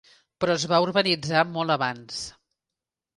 Però es va urbanitzar molt abans.